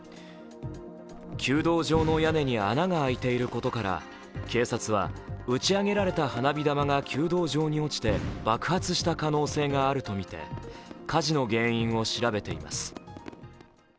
弓道場の屋根に穴が開いていることから打ち上げられた花火玉が弓道場に落ちて爆発した可能性があるとみて火事の原因を調べています。